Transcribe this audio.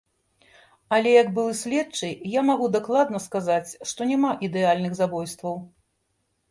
Але як былы следчы, я магу дакладна сказаць, што няма ідэальных забойстваў.